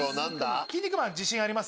『キン肉マン』自信あります？